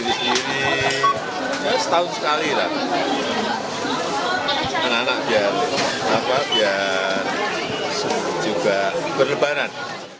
setahun sekali lah anak anak biar berlebaran